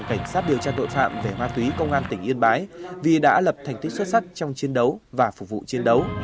cảnh sát điều tra tội phạm về ma túy công an tỉnh yên bái vì đã lập thành tích xuất sắc trong chiến đấu và phục vụ chiến đấu